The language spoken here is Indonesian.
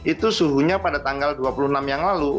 itu suhunya pada tanggal dua puluh enam yang lalu